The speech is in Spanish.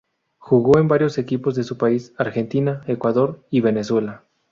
Jugó en varios equipos de su país, Argentina, Ecuador y Venezuela.